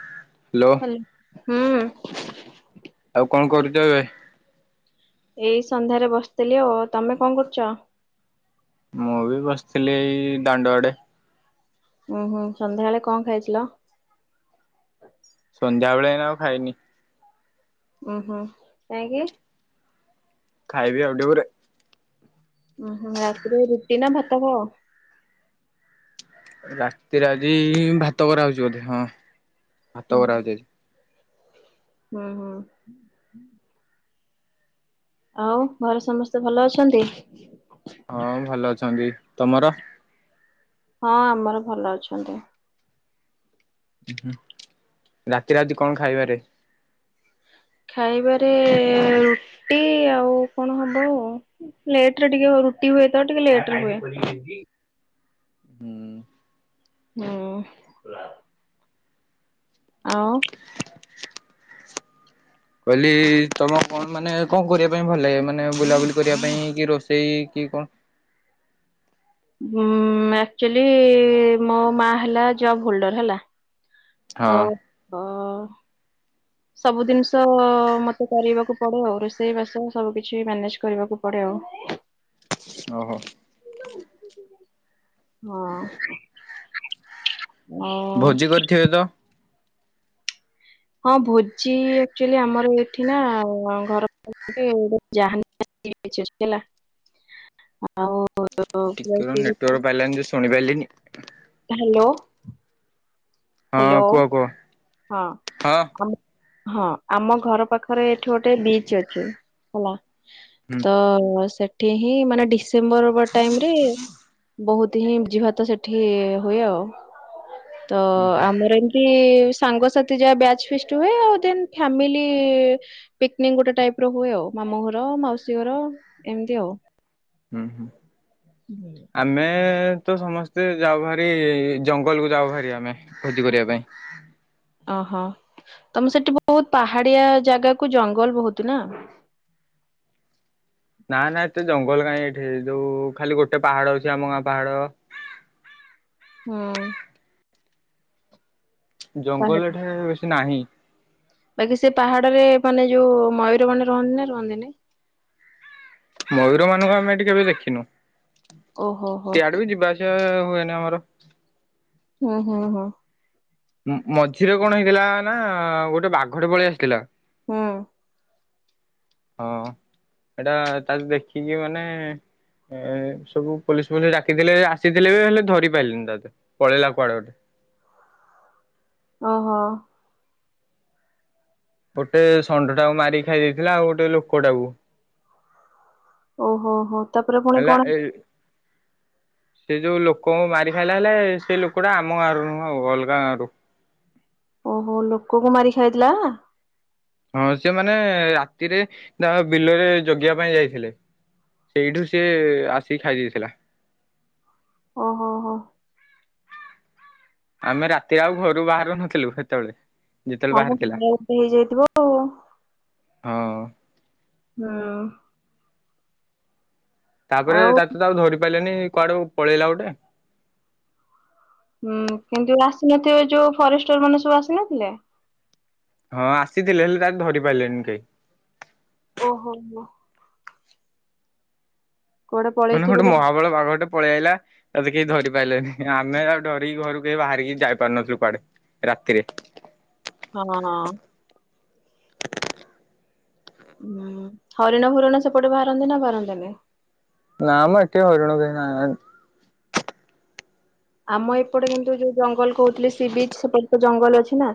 Hello hello ହୁଁ। ଆଉ କଣ କରୁଛ ଏବେ? ଏଇ ସନ୍ଧ୍ୟାରେ ବସିଥିଲି ଆଉ ତମେ କଣ କରୁଛ? ମୁଁ ବି ବସିଥିଲି ଏଇ ଦାଣ୍ଡ ଆଡେ। ଉୁଁ ହୁଁ ସନ୍ଧ୍ୟାବେଳେ କଣ ଖାଇଥିଲ? ସନ୍ଧ୍ୟାବେଳେ ଏଇନା ଆଉ ଖାଇନି। ଓ ହୋଁ କାହିଁକି? ଖାଇବି ଆଉେ ଟିକେ ପରେ। ଓହୋ ରାତିରେ ରୁଟି ନା ଭାତ ଖାଅ। ରାତିରେ ଆଜି ଭାତ କରାହଉଛି ବୋଧେ ହଁ ଭାତ କରାହଉଛି ଆଜି। ହଁ ହଁ ଆଉ ଘରେ ସମସ୍ତେ ଭଲ ଅଛନ୍ତି। ହଁ ଭଲ ଅଛନ୍ତି ତମର? ହଁ ଆମର ଭଲ ଅଛନ୍ତି। ଉଁ ହୁଁ, ରାତିରେ ଆଜି କଣ ଖାଇବାରେ? ଖାଇବାରେ ରୁଟି ଆଉ କଣ ହବ। ଲେଟ୍ ରେ ଟିକେ ରୁଟି ହୁଏ ତ, ଟିକେ ଲେଟ୍ ରେ ହୁଏ। ହୁଁ। ହୁଁ। ଆଉ କହିଲି ତମ କଣ ମାନେ କଣ କରିବା ପାଇଁ ଭଲ ଲାଗେ? ମାନେ ବୁଲାବୁଲି କରିବା ପାଇଁ କି ରୋଷେଇ କି କଣ? ଉଁ ଆକ୍ଚୁଆଲି ମୋ ମା ହେଲା ଜବ୍ ହୋଲ୍ଡର ହେଲା ହଁ ତଉ ହ ସବୁ ଦିନ୍ଷ ମୋତେ କରିବାକୁ ପଡ଼େ ଆଉ, ରୋଷେଇ ବାସ ସବୁ କିିଛି ମ୍ୟାନେଜ୍ କରିବାକୁ ପଡ଼େ ଆଉ। ଓହୋ। ହଁ। ଆଉ ଭୋଜି କରିଥିବେ ତ? ହଁ ଭୋଜି ଆକ୍ଚୁଆଲି ଆମର ଏଠି ନା ଘର ପାଖରେ ଗୋଟେ ଯାହା ହେଇଚି ହେଲା। ଆଉ ଟିକେ ନେଟୱାର୍କ [unintelligible] ପାଇଲାନି ଯେ ଶୁଣି ପାଇଲିନି। ହାଲୋ। ହଁ କୁହ କୁହ? ହଁ। ହଁ। ଆମେ ହଁ ଆମ ଘର ପାଖରେ ଏଠି ଗୋଟେ ବିଚ୍ ଅଛି ହେଲା। ହୁଁ। ହ ସେଠି ହିଁ ମାନେ ଡିସେମ୍ବର ହବା ଟାଇମ୍ ରେ ବୋହୁତ୍ ତିହିଁ ଭୋଜି ଭାତ ସେଠି ହୁଏ ଆଉ। ତ ହୁଁ ଆମର ଏମିତି ସାଙ୍ଗସାଥି ଯାହା ବ୍ୟାଚ୍ ଫିଷ୍ଟ ହୁଏ। ଆଉ ଦେନ୍ ଫ୍ୟାମିଲି ପିକ୍ନିକ୍ ଗୋଟେ ଟାଇପ୍ ର ହୁଏ ଆଉ। ମାମୁ ଘର, ମାଉସୀ ଘର, ଏମିତି ଆଉ। ହୁଁ ହୁଁ। ହୁଁ ଆମେ ତ ସମସ୍ତେ ଯାଉ ହାରି, ଜଙ୍ଗଲକୁୁ ଯାଉ ହାରି ଆମେ ଭୋଜି କରିବା ପାଇଁ। ଓହୋ। ତମେ ସେଠି ବୋହୁତ୍ ପାହାଡିଆ ଜାଗାକୁ ଜଙ୍ଗଲ ବୋହୁତ୍ ନା। ନା ନା ଏତେ ଜଙ୍ଗଲ କାହିଁ ଏଠି। ଯୋଉ ଖାଲି ଗୋଟେ ପାହାଡ ଅଛି ଆମ ଗାଁ ପାହାଡ। ହୁଁ। ପାହାଡ ଜଙ୍ଗଲ ଏଠାରେ ବେଶୀ ନାହିଁ। ବାକି ସେ ପାହାଡରେ ମାନେ ଯୋଉ ମୟୂର ମନେ ରହନ୍ତି ନା ରହନ୍ତି ନି? ମୟୂର ମାନଙ୍କୁ ଆମେ ଏଠି କେବେ ଦେଖିନୁ। ଓହୋ ହୋ ସିଆଡେ ବି ଯିବା ଆସିବା ହୁଏନି ଆମର। ଉଁ ହଁ ହଁ। ମଝିରେ କଣ ହେଇଥିଲା ନା ଗୋଟେ ବାଘଟେ ପଳେଇ ଆସିଥିଲା। ହୁଁ। ହଁ ଏଇଟା ତା ଦେଖିକି ମାନେ ଏ ସବୁ ପୋଲିସ୍, ଫୋଲି ସ୍ ଡାକିଥିଲେ ଆସିଥିଲେ ବି ହେଲେ ଧରି ପାରିଲେନି ତା ପଳେଇଲା କୁଆଡେ ଗୋଟେ। ଓହୋ। ଗୋଟେ ଷଣ୍ଢ ଟାକୁ ମାରି ଖାଇ ଦେଇେଇଥିଲା। ଆଉ ଗୋଟେ ଲୋକଟାକୁ। ଓହୋ ହୋ ତାପରେ ପୁଣି ହେଲା କଣ ଏ ସେ ଯୋଉ ଲୋକଙ୍କୁ ମାରି ଖାଇଲା ହେଲେ, ସେ ଲୋକଟା ଆମ ଗାଁ ରୁ ନୁହଁ ଆଉ ଅଲଗା ଗାଁରୁ। ଓହୋ ଲୋକକୁ ମାରି ଖାଇଦେଲା? ହଁ ସେ ମାନେ ରାତିରେ, ତା ବିଲରେ ଜଗିବା ପାଇଁ ଯାଇଥିଲେ। ସେଇଠୁ ସି ଆସିକି ଖାଇ ଦେଇଥିଲା। ଓହୋ, ହୋ। ଆମେ ରାତିରେ ଆଉ ଘରୁ ବାହାରୁ ନଥିଲୁ ସେତେବେଳେ। ଯେତେବେଳେ ହଁ ଭଲ ବାହାରିଥିଲା। ଗୋଟେ ହେଇଯାଇଥିବ ଆଉ ହଁ। ହୁଁ। ତାପରେ ତା ତୁ ତ ଆଉ ଧରି ପାରିପାଇଲେନି କୁଆଡେ ପଳେଇଲା ଗୋଟେ। ହୁଁ କିନ୍ତୁ ଆସିନଥିବ ଯୋଉ ଫରେଷ୍ଟର ମାନେ ସବୁ ଆସିନଥିଲେ? ହଁ ଆସିଥିଲେ ହେଲେ ତାକୁ ଧରି ପାରିଲେଣିି କେହି। ଓହୋ ହୋ। କୁଆଡେ ମାନେ ପଳେଇଥିବ ଗୋଟେ ଜା ମହାବଳ ବାଘ ଟେ ପଳେଇ ଆଇଲା ତା କେହି ଧରି ପାରିଲେନି, ଆମେ ଆଉ ଡରିକି ଘରୁକୁ କେହି ବାହାରିକି ଯାଇ ପାରୁନଥିଲୁ କୁଆଡେ ରାତିରେ। ହଁ। ଉଁ ହରିଣ ହୁରିଣ ସେପଟେ ବାହାରନ୍ତି ନା ବାହାରନ୍ତେ ନି? ନାଁ ମ ଏଠି ହରିଣ କେହି ନା ଆମ ଏପଟେ କିନ୍ତୁ ଯୋଉ ଜଙ୍ଗଲ କହୁଥିଲେ ସି ବିଚ ସେପଟେ ତ ଜଙ୍ଗଲ ଅଛି ନା।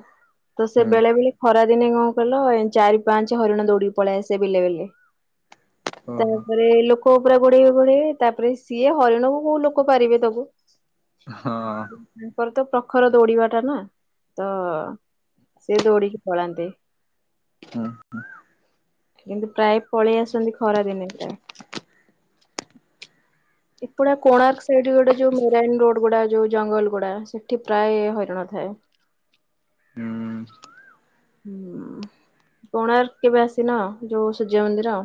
ତ ସେ ହୁଁ। ବେଳେ ବେଳେ ଖରାଦିନେ କଣ କଇଲ ଚାରି ପାଞ୍ଚ ହରିଣ ଦୌଡିକି ପଳେଇ ଆସିବେ ବିଲେ ବିଲେ। ଓହୋ ତାପରେ ଲୋକ ପୁରା ଗୋଢେଇବେ ଗୋଢେଇବେ, ତାପରେ ସିଏ ହରିଣକୁ କୋଉ ଲୋକ ପାରିବେ ତାକୁ। ହଁ। ତାଙ୍କର ତ ପ୍ରଖର ଦୌଡିବା ଟା ନା ତ ସେ ଦୌଡ଼ିକି ପଳାନ୍ତି। ହଁ ହଁ। କିନ୍ତୁ ପ୍ରାୟ ପଳେଇ ଆସନ୍ତି ଖରା ଦିନେ ପ୍ରାୟ। ଏପଡେ କୋଣାର୍କ ସାଇଡ ଗୋଟେ ଯୋଉ ମେରାଇନ୍ ରୋଡ। ଗଗୁଡା ଯୋଉ ଜଙ୍ଗଲ ଗୁଡା ସେଠି ପ୍ରାୟ ହରିଣ ଥାଏ। ହୁଁ। ହୁଁ, କୋଣାର୍କ କେବେ ଆସିନା ଯୋଉ ସୂର୍ଯ୍ୟ ମନ୍ଦିର?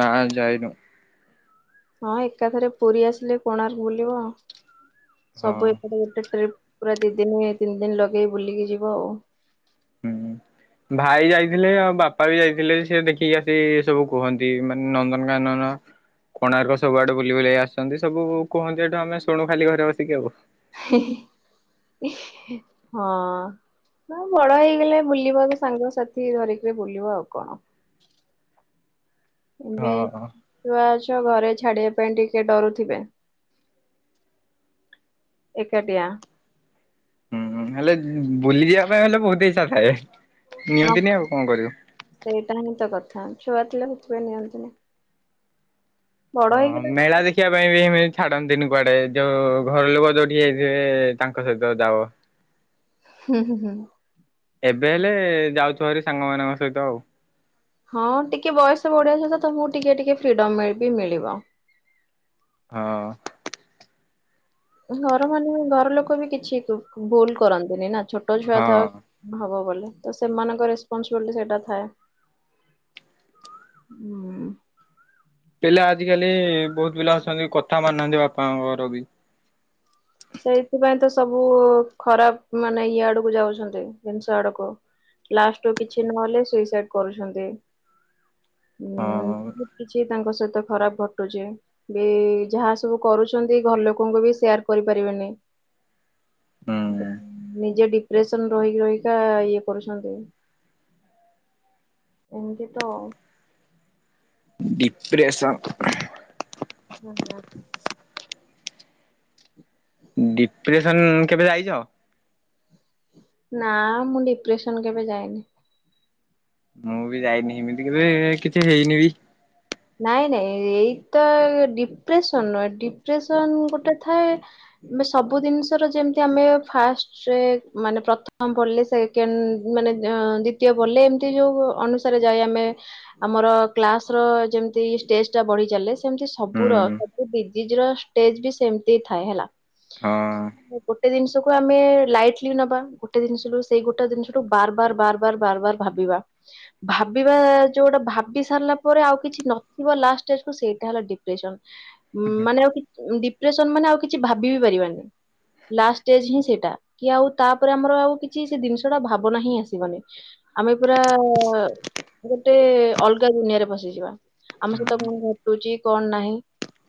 ନା ଯାଇନୁ। ହଁ ଏକାଥରେ ପୁରୀ ଆସିଲେ କୋଣାର୍କ ବୁଲିବ ଆଉ ହଁ ସବୁ ଏପଟେ ଗୋଟେ ଟ୍ରିପ। ପୁରା ଦି ଦିନ ତିନି ଦିନ ଲଗେଇ ବୁଲିକି ଯିବ ଆଉ। ହୁଁ। [inaudible] ଭାଇ ଯାଇଥିଲେ ଆଉ ବାପା ବି ଯାଇଥିଲେ ସେ ଦେଖିକି ଆସି ସବୁ କୁହନ୍ତି ମାନେ ନନ୍ଦନକାନନ କୋଣାର୍କ ସବୁଆଡେ ବୁଲି ବୁଲେଇ ଆସୁଛନ୍ତି ସବୁ କୁହନ୍ତି ଏଠୁ ଆମେ ଶୁଣୁ ଖାଲି ଘରେ ବସିକି ଆଉ। ହି ହି ଇହି ହଁ। ନା ବଡ ହେଇଗଲେ ବୁଲିବ ତ ସାଙ୍ଗସାଥି ଧରିକିରି ବୁଲିବ ଆଉ କଣ? ଏବେ ହଁ ଛୁଆ ଅଛ ଘରେ ଛାଡିବା ପାଇଁ ଟିକେ ଡରୁଥିବେ? ଏକାଟିଆ। ହୁଁ ହୁଁ ହେଲେ ଉଁ ବୁଲିଯିବା ପାଇଁ ହେଲେ ବହୁତ ଇଚ୍ଛା ଥାଏ ହଁ ନିଅନ୍ତିନି ଆଉ କଣ କରିବୁ? ସେଇଟା ହିଁ ତ କଥା ଛୁଆ ଥିଲେ ସେଥିପାଇଁ ନିଅନ୍ତିନି। ବଡ ହଁ ହେଇଗଲା ମେଳା ଦେଖି ଶିଖିବା ପାଇଁ ବି ଏମିତି ଛାଡନ୍ତିନି କୁଆଡେ ଯୋଉ ଘର ଲୋକ ଯୋଉଠି ଯଇଥିବେ ତାଙ୍କ ସହିତ ଯାଅ। ହୁଁ ହୁଁ ହୁଁ। ଏବେ ହେଲେ ଯାଉଥିବ ହେରି ସାଙ୍ଗମାନଙ୍କ ସହିତ ଆଉ। ହଁ ଟିକେ ବୟସ ବଢିବା ସହିତ ତମକୁ ଟିକେ ଟିକେ ଫ୍ରିଡମ ମେବି ମିଳିବ। ହଁ। ଘର ମାନ ଘର ଲୋକ ବି କିଛି କି ଭୁଲ କରନ୍ତିନି ନା ଛୋଟ ଛୁଆ ଥା ହଁ ହବ ବୋଲି ତ ସେମାନଙ୍କ ରେସପନସିବିଲିଟି ସେଇଟା ଥାଏ। ହୁଁ। ପିଲା ଆଜିକାଲି ବହୁତ ପିଲା ଅଛନ୍ତି କଥା ମାନୁନାହାନ୍ତି ବାପାଙ୍କର ବି। ସେଇଥିପାଇଁ ତ ସବୁ ଖରାପ ମାନେ ଇଏ ଆଡକୁ ଯାଉଛନ୍ତି ଜିନିଷ ଆଡକୁ। ଲାଷ୍ଟକୁ କିଛି ନହେଲେ ସୁଇସାଇଡ କରୁଛନ୍ତି। ଉଁ ହଁ ହୁଁ କିଛି ତାଙ୍କ ସହିତ ଖରାପ ଘଟୁଛି ବି ଯାହା ସବୁ କରୁଛନ୍ତି ଘର ଲୋକଙ୍କୁ ବି ସେୟାର କରିପାରିବେନି। ହୁଁ। ଉଁ ନିଜେ ଡି ପ୍ରେଶନ ରହିକି ରହିିକା ଇଏ କରୁଛନ୍ତି। ଏମିତି ତ ଡିପ୍ରେସନ। [unintelligible] ଡିପ୍ରେସନ କେବେ ଯାଇଚ। ନା ମୁଁ ଡିପ୍ରେସନ କେବେ ଯାଇନି। ମୁଁ ବି ଯାଇନି ଏମିତି କେବେ କିଛି ହେଇନି ବି। ନାଇଁ ନାଇଁ ଏଇତ ଡିପ୍ରେସନ ନୁହେଁ ଡିପ୍ରେସନ ଗୋଟେ ଥାଏ ମେ ସବୁ ଦିନ୍ସର ଯେମିତି ଆମେ ଫାଷ୍ଟରେ ମାନେ ପ୍ରଥମ ପଢିଲେ ସେ କେନ୍ ମାନେ ଅଁ ଦ୍ଵିତୀୟ ପଢ଼ିଲେ ଏମିତି ଯୋଉ ଅନୁସାରେ ଯାଏ ଆମେ ଆମର କ୍ଲାସ ର ଯେମିତି ଷ୍ଟେଜଟା ବଢି ଚାଲେ ସେମିତି ହୁଁ ସବୁର ସବୁ ଡିଜିଜର ଷ୍ଟେଜ ବି ସେମିତି ଥାଏ ହେଲା। ହଁ। [unintelligible] ଗୋଟେ ଦିନ୍ସକୁ ଆମେ ଲାଇଟ୍ଲୀ ନବା ଗୋଟେ ଦିନ୍ସରୁ ସେଇ ଗୋଟେ ଦିନ୍ସରୁ ବାର ବାର ବାର ବାର ବାର ବାର ଭାବିବା ଭାବିବା ଯୋଉଟା ଭାବି ସାରିଲା ପରେ ଆଉ କିଛି ନଥିବ ଲାଷ୍ଟ ଷ୍ଟେଜକୁ ସେଇଟା ହେଲା ଡିପ୍ରେସନ। ମାନେ ଆଉ କି ଡିପ୍ରେସନ ମାନେ ଆଉ କିଛି ଭାବି ବି ପାରିବାନି। ଲାଷ୍ଟ ଷ୍ଟେଜ ହିଁ ସେଇଟା କି ଆଉ ତାପରେ ଆମର ଆଉ କିଛି ସେ ଦିନ୍ସଟା ଭାବନା ହିଁ ଆସିବନି। ଆମେ ପୁରା ଗୋଟେ ଅଲଗା ଦୁନିଆରେ ପସିିଯିବା। ଆମ ସହିତ କଣ ହୁଁ ଘଟୁଚି କଣ ନାହିଁ।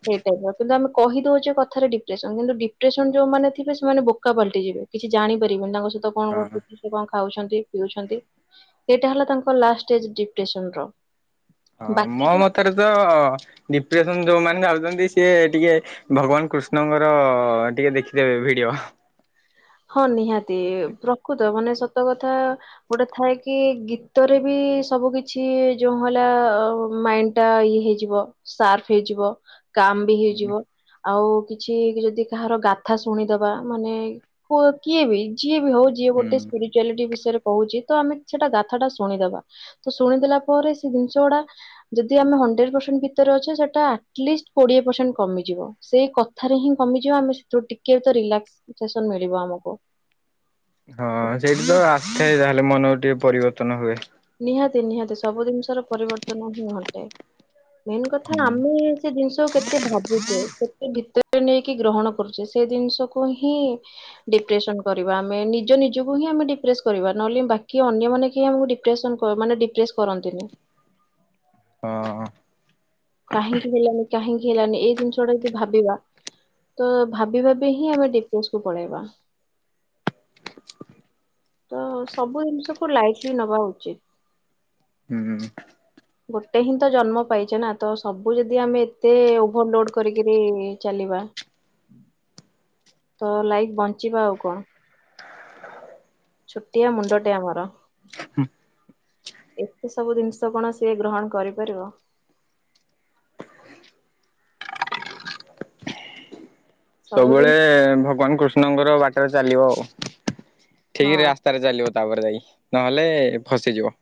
ସେଇ ଟାଇପ୍ ର କିନ୍ତୁ ଆମେ କହିଦୋଉଚେ କଥାରେ ଡିପ୍ରେସନ କିନ୍ତୁ ଡିପ୍ରେସନ ଯୋଉମାନେ ଥିବ ସେମାନେ ବୋକା ପାଲଟିଯିବେ। କିଛି ଜାଣିପାରିବନି ତାଙ୍କ ସହିତ କଣ ଘଟୁଛି ସିଏ କଁ ଖାଉଛନ୍ତି ପିଉଛନ୍ତି। ସେଇଟା ହେଲା ତାଙ୍କ ଲାଷ୍ଟ ଷ୍ଟେଜ୍ ଡିପ୍ରେସନର। ହଁ ମୋ ମତରେ ତ ଡିପ୍ରେସନ ଯୋଉମାନେ ଯାଉଚନ୍ତି ସିଏ ଟିକେ ଭଗବାନ କୃଷ୍ଣଙ୍କର ଟିକେ ଦେଖିଦେବେ ଭିଡିଓ। ହଁ ନିହାତି ପ୍ରକୃତ ମାନେ ସତ କଥା ଗୋଟେ ଥାଏ କି ଗୀତ ରେ ବି ସବୁ କିଛି ଯୋଉ [unintelligible] ମାଇଣ୍ଡ ଟା ଇଏ ହେଇଯିବ ସାର୍ଫ ହେଇଯିବ। କାମ୍ ବି ହୁଁ ହେଇଯିବ ଆଉ କିଛି କି ଯଦି କାହାର ଗାଥା ଶୁଣିଦବା ମାନେ ହୁଅ କିଏ ବି ଯିଏ ବି ହୋଉ ଯିଏ ହୁଁ। ଗୋଟେ ସ୍ପିରିଚ୍ୟାଲିଟି ବିଷୟରେ କୋହୁଚି ତ ଆମେ ସେଟା ଗାଥାଟା ଶୁଣିଦବା ତ ଶୁଣିଦେଲା ପରେ ସେ ଦିନ୍ସ ଗୁଡା ଯଦି ଆମେ ହଣ୍ଡ୍ରେଡ ପର୍ସେଣ୍ଟ ଭିତରେ ଅଛେ ସେଟା ଅଟଲିଷ୍ଟ୍ କୋଡ଼ିଏ ପର୍ସେଣ୍ଟ କମିଯିବ। ସେଇ କଥାରେ ହିଁ କମିଯିବ ଆମେ ସେଥୁରୁ ଟିକେ ତ ରିଲାକ୍ସ ସେସନ୍ ମିଳିବ ଆମକୁ। ହଁ ସେଇଠି ତ ଆସିଥାଏ ତାହେଲେ ମନକୁ ଟିକେ ପରିବର୍ତ୍ତନ ହୁଏ। ନିହାତି ନିହାତି ସବୁ ଦିନ୍ସର ପରିବର୍ତ୍ତନ ହିଁ ଘଟେ। ମେନ୍ କଥା ହୁଁ। ଆମେ ସେ ଦିନ୍ସକୁ କେତେ ଭାବୁଚେ କେତେ ଭିତେ [unintelligible] ନେଇକି ଗ୍ରହଣ କରୁଚେ ଦିନ୍ସକୁ ହିଁ ଡିପ୍ରେସନ କରିବା ଆମେ ନିଜ ନିଜକୁ ହିଁ ଆମେ ଡିପ୍ରେସ କରିବା ନହେଲେ ବାକି ଅନ୍ୟ ମାନେ କେହି ଆମୁକୁ ଡି ପ୍ରେସନ କ ମାନେ ଡିପ୍ରେସ କରନ୍ତିନି। ହଁ। କାହିଁକି ହେଲାନି କାହିଁକି ହେଲାନି ଏଇ ଦିନ୍ସଟା ଯଦି ଭାବିବା ତ ଭାବି ଭାବି ହିଁ ଆମେ ଡିପ୍ରେସ କୁୁ ପଳେଇବା। ତ ସବୁ ଦିନ୍ସକୁ ଲାଇଟ୍ଲୀ ନବା ଉଚିତ୍। ହୁଁ ହୁଁ [unintelligible] ଗୋଟେ ହିଁ ତ ଜନ୍ମ ପାଇଚେ ନା ତ ସବୁ ଯଦି ଆମେ ଏତେ ଓଭୋରଲୋଡ଼ କରିକରି ଚାଲିବା। ତ ଲାଇଫ ବଞ୍ଚିବା ଆଉ କଣ। ଛୁଟିଆ ମୁଣ୍ଡଟେ ଆମର ଏତେ ସବୁ ଦିନ୍ସ କଣ ସିଏ ଗ୍ରହଣ କରିପାରିବ। ସବୁବୋଳେ ସବୁଦିନ ଭଗବାନ କୃଷ୍ଣଙ୍କର ବାଟରେ ଚାଲିବ ଆଉ ଠିକି ହଁ। ରାସ୍ତାରେ ଚାଲିବ। ତାପରେ ଯାଇ ନହେଲେ ଫସିଯିବ।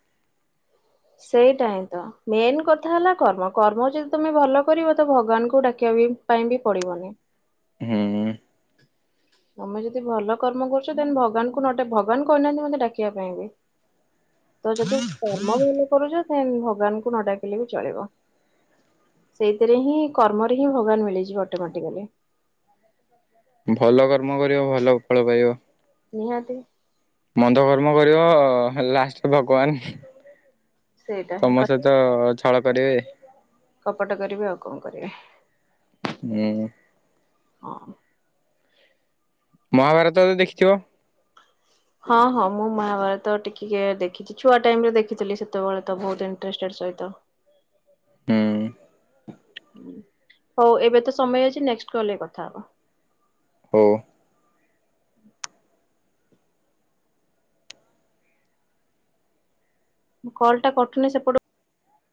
ସେଇଟା ହିଁ ତ ମେନ୍ କଥା ହେଲା କର୍ମ କର୍ମ ଯଦି ତମେ ଭଲ କରିବ ତ ଭଗବାନଙ୍କୁ ଡାକିବା ପାଇଁ ବି ପଡିବନି। ହୁଁ। ତମେ ଯଦି ଭଲ କର୍ମ କରୁଛ ଦେନ ଭଗବାନଙ୍କୁ ନ ଡାକ ଭଗବାନ କହୁନାହାନ୍ତି ମୋତେ ଡାକିବା ପାଇଁ ବି ତ ଯଦି କର୍ମ ଭଲ କରୁଛ ଭଗବାନଙ୍କୁ ନଡାକିଲେ ବି ଚଳିବ। ସେଇଥିରେ ହିଁ କର୍ମରେ ହିଁ ଭଗବାନ ମିଳିଯିବ ଅଟୋମେଟିକାଲି। ଭଲ କର୍ମ କରିବ ଭଲ ଫଳ ପାଇବ। ନିହାତି। ମନ୍ଦ କର୍ମ କରିବ ଲାଷ୍ଟରେ ଭଗବାନ ସେଇଟା ହିଁ କ ତମ ସହିତ ତ ଛଳ କରିବେ। କପଟ କରିବେ ଆଉ କଣ କରିବେ? ଏଁ। ହଁ। ମହାଭାରତତ ଦେଖିଥିବ? ହଁ ହଁ ମୁଁ ମହାଭାରତ ଟିକେକେ ଦେଖିଛିି? ଛୁଆ ଟାଇମରେ ଦେଖିଥିଲି ସେତେବେଳେ ତ ବହୁତ ଇଣ୍ଟଷ୍ଟଡ ସହିତ। ହୁଁ। ହଉ ଏବେ ତ ସମୟ ଅଛି ନେକ୍ସଟ କଲେ କଥା ହବା। ଓ କଲଟା କଟୁନି ସେପଟୁ।